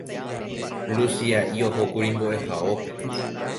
Luchia'i ohókuri mbo'ehaópe